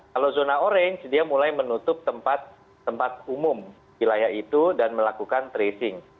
kalau zona orange dia mulai menutup tempat umum wilayah itu dan melakukan tracing